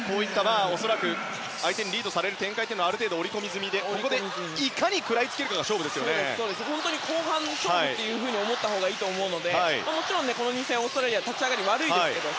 恐らく相手にリードされる展開というのはある程度、織り込み済みでいかに食らいつけるかが本当に後半勝負と思ったほうがいいと思うのでもちろん、この２戦オーストラリアは立ち上がりが悪いですから。